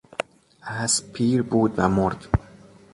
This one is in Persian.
اسب پیر بود و مرد.